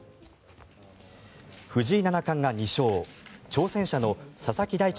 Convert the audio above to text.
藤井七冠が２勝挑戦者の佐々木大地